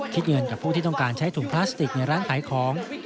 เงินกับผู้ที่ต้องการใช้ถุงพลาสติกในร้านขายของ